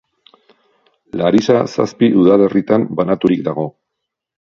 Larisa zazpi udalerritan banaturik dago.